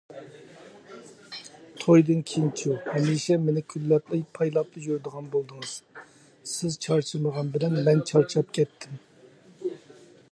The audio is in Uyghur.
تويدىن كېيىنچۇ؟ ھەمىشە مېنى كۈنلەپ، پايلاپلا يۈرىدىغان بولدىڭىز، سىز چارچىمىغان بىلەن مەن چارچاپ كەتتىم.